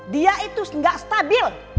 dia itu gak stabil